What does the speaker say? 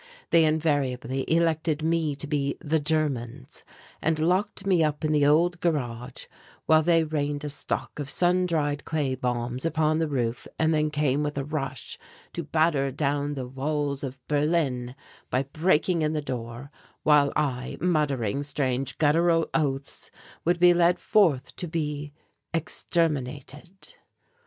They invariably elected me to be "the Germans," and locked me up in the old garage while they rained a stock of sun dried clay bombs upon the roof and then came with a rush to "batter down the walls of Berlin" by breaking in the door, while I, muttering strange guttural oaths, would be led forth to be "exterminated."